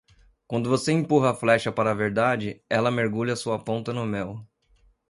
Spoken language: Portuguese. Quando você empurra a flecha para a verdade, ela mergulha sua ponta no mel.